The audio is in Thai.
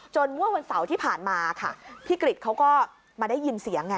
เมื่อวันเสาร์ที่ผ่านมาค่ะพี่กริจเขาก็มาได้ยินเสียงไง